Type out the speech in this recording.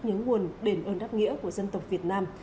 nhớ nguồn đền ơn đáp nghĩa của dân tộc việt nam